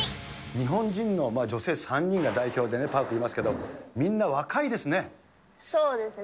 日本人の女性３人が代表でパークいますけど、みんな、若いですね。